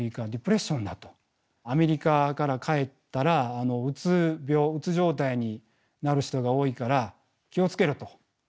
アメリカから帰ったらうつ病うつ状態になる人が多いから気を付けろと。